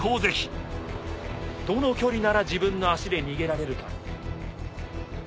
どの距離なら自分の足で逃げられるか。